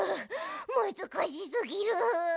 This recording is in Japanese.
むずかしすぎる！